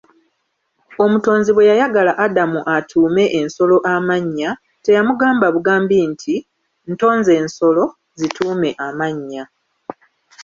Omutonzi bwe yayagala Adamu atuume ensolo amannya, teyamugamba bugambi nti: "Ntonze ensolo, zituume amannya."